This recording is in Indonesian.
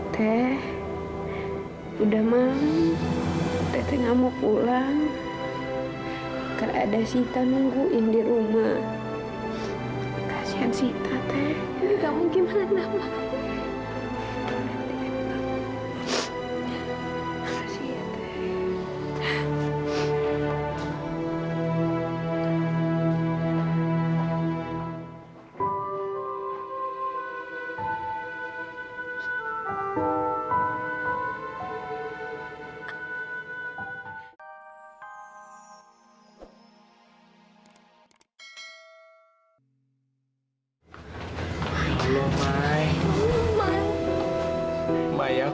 sampai jumpa di video selanjutnya